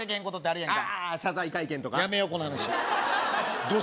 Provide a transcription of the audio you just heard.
ああ謝罪会見とかやめよう